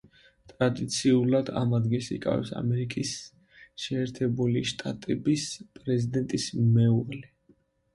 ტრადიციულად ამ ადგილს იკავებს ამერიკის შეერთებული შტატების პრეზიდენტის მეუღლე.